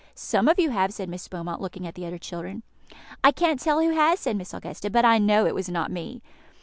"Some of you have," said Miss Beaumont, looking at the other children. "I can't tell who has," said Miss Augusta; "but I know it was not me."